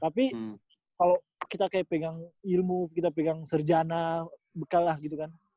tapi kalau kita kayak pegang ilmu kita pegang serjana bekal lah gitu kan